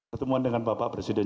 ketemuan dengan bapak presiden